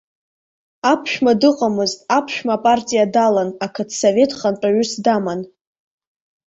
Аԥшәма дыҟамызт, аԥшәма апартиа далан, ақыҭсовет хантәаҩыс даман.